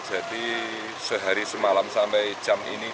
jadi sehari semalam sampai jam ini